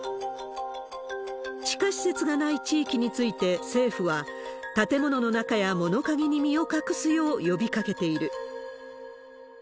地下施設がない地域について政府は、建物の中や物陰に身を隠すよう呼びかけている。